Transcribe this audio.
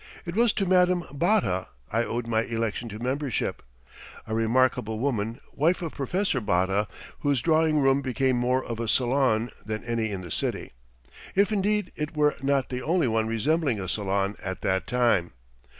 It was to Madame Botta I owed my election to membership a remarkable woman, wife of Professor Botta, whose drawing room became more of a salon than any in the city, if indeed it were not the only one resembling a salon at that time.